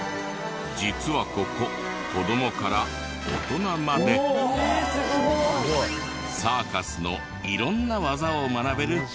実はここ子供から大人までサーカスの色んな技を学べる教室。